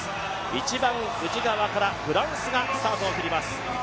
一番内側からフランスがスタートを切ります。